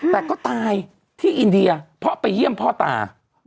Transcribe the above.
แต่ก็ตายที่อินเดียเพราะไปเยี่ยมพ่อตา